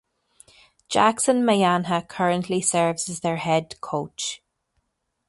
Jackson Mayanja currently serves as their head coach.